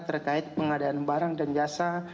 terkait pengadaan barang dan jasa